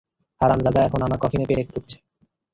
হারামজাদা এখন আমার কফিনে পেরেক ঠুকছে।